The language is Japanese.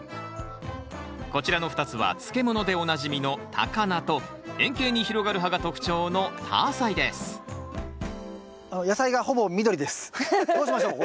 こちらの２つは漬物でおなじみのタカナと円形に広がる葉が特徴のタアサイですどうしましょう？